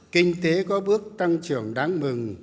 kinh tế có bước tăng trưởng đáng mừng